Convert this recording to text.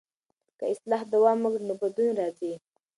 که اصلاح دوام وکړي نو بدلون راځي.